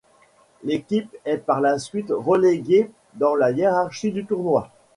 L'équipe est par la suite reléguée dans la hiérarchie du tournoi.